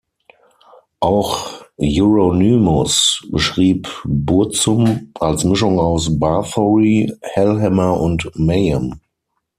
Auch Euronymous beschrieb Burzum als Mischung aus Bathory, Hellhammer und Mayhem.